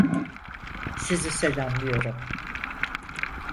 Sizi selamlıyorum.